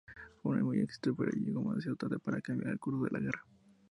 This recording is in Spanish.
Fue muy exitoso, pero llegó demasiado tarde para cambiar el curso de la guerra.